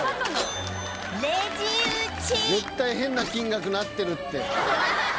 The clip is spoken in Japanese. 「絶対変な金額になってるって」